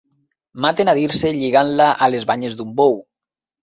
Maten a Dirce lligant-la a les banyes d'un bou.